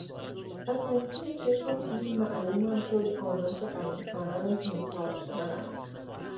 از تنگی چشم پیل معلومم شد آنان که غنی ترند محتاج ترند